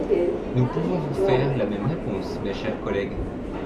Nous pouvons vous faire la même réponse, mes chers collègues.